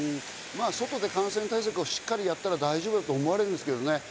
外で感染対策をしっかりやったら大丈夫だと思われますけどね。